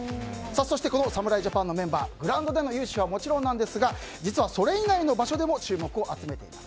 そして侍ジャパンのメンバーグラウンドの雄姿はもちろんなんですが実はそれ以外の場所でも注目を集めています。